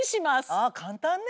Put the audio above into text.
ああ簡単ね。